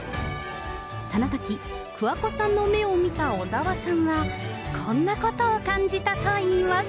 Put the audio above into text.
そのとき、桑子さんの目を見た小澤さんは、こんなことを感じたといいます。